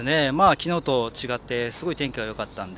きのうと違ってすごく天気がよかったので